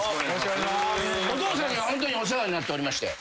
お父さんにはホントにお世話になっておりまして。